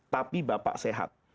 tapi bapak sehat